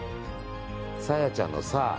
さやちゃんの「さ」。